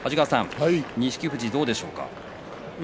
錦富士、どうでしょうか。